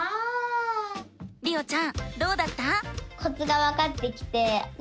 りおちゃんどうだった？